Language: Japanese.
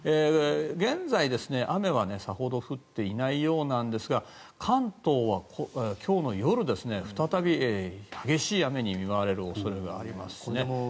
現在雨は、さほど降っていないようなんですが関東は今日の夜、再び激しい雨に見舞われる恐れがありますしね。